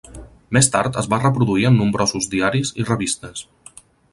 Més tard es va reproduir en nombrosos diaris i revistes.